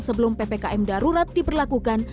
sebelum ppkm darurat diperlakukan